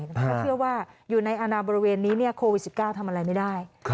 เพราะเชื่อว่าอยู่ในอนาบริเวณนี้โควิด๑๙ทำอะไรไม่ได้